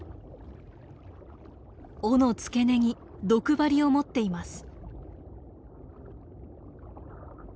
尾の付け根に毒針を持っています。